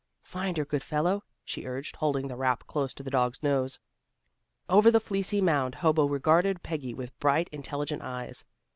"Find her, good fellow," she urged, holding the wrap close to the dog's nose. Over the fleecy mound, Hobo regarded Peggy with bright, intelligent eyes.